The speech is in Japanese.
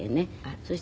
そして。